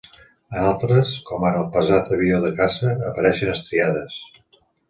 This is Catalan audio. En altres, com ara el pesat avió de caça, apareixen estriades.